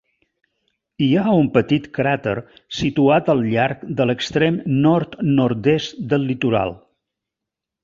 Hi ha un petit cràter situat al llarg de l'extrem nord-nord-est del litoral.